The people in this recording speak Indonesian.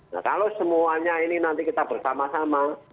nah kalau semuanya ini nanti kita bersama sama